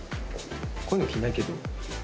こういうの着ないけど。